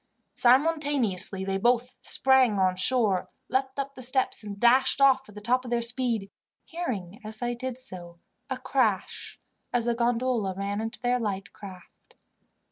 Simultaneously they sprang on shore, leaped up the steps, and dashed off at the top of their speed, hearing, as they did so, a crash as the gondola ran into their light craft.